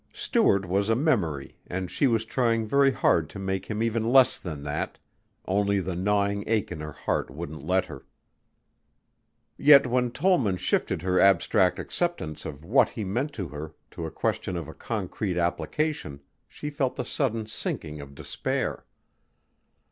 Stuart was a memory and she was trying very hard to make him even less than that only the gnawing ache in her heart wouldn't let her. Yet when Tollman shifted her abstract acceptance of what he meant to her to a question of a concrete application, she felt the sudden sinking of despair.